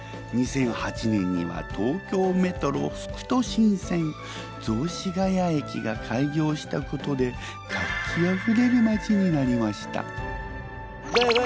２００８年には東京メトロ副都心線雑司が谷駅が開業したことで活気あふれる町になりました。